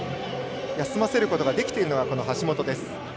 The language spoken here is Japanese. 休ませることができているのが橋本です。